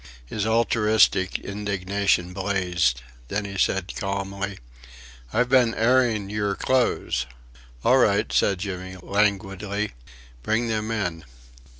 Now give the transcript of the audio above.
His altruistic indignation blazed. Then he said calmly: "I've been airing yer clothes." "All right," said Jimmy, languidly, "bring them in."